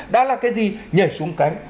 đã là cái gì nhảy xuống cánh